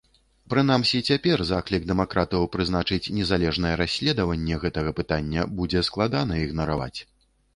Прынамсі цяпер заклікі дэмакратаў прызначыць незалежнае расследаванне гэтага пытання будзе складана ігнараваць.